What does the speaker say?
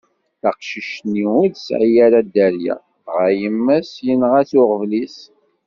Taqcict-nni ur tesɛi ara dderya, dɣa yemma-s yenɣa-tt uɣbel-is.